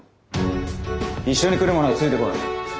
一緒に来る者はついてこい。